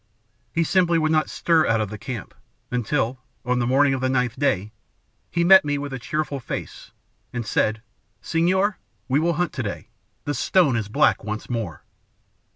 He simply would not stir out of the camp, until, on the morning of the ninth day, he met me with a cheerful face, and said, 'SeÒor, we will hunt today. The stone is black once more.'